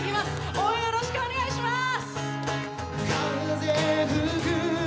応援よろしくお願いします！